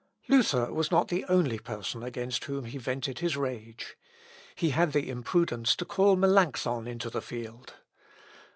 ] Luther was not the only person against whom he vented his rage. He had the imprudence to call Melancthon into the field.